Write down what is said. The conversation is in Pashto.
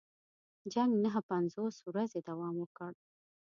جنګ نهه پنځوس ورځې دوام وکړ.